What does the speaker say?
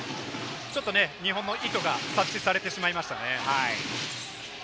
日本の意図が察知されてしまいましたね。